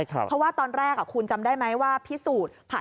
ก็ว่าตอนแรกคุณจำได้ไหมว่าพิสูจน์